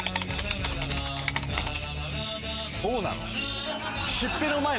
そうなの？